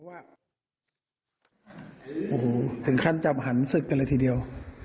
โอ้โหถึงขั้นจับหันศึกกันเลยทีเดียว